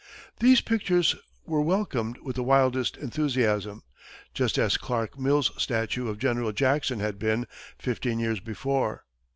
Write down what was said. These pictures were welcomed with the wildest enthusiasm just as Clarke Mills's statue of General Jackson had been, fifteen years before.